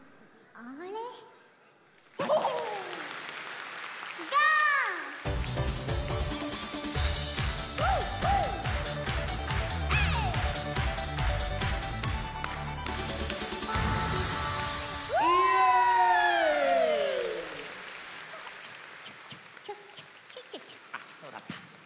・あっそうだった。